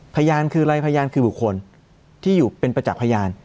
พยานคืออะไรพยานคือบุคคลที่อยู่เป็นประจักษ์พยาน